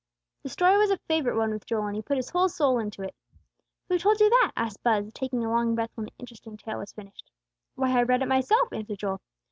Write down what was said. The story was a favorite one with Joel, and he put his whole soul into it. "Who told you that?" asked Buz, taking a long breath when the interesting tale was finished. "Why I read it myself!" answered Joel.